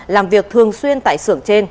làm việc thường xuyên tại sưởng trên